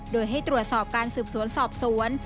โดยให้ตรวจสอบการสืบสวนสอบสวน